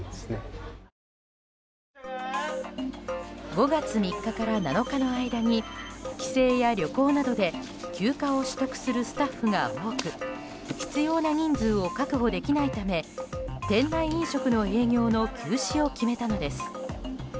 ５月３日から７日の間に帰省や旅行などで休暇を取得するスタッフが多く必要な人数を確保できないため店内飲食の営業の休止を決めたのです。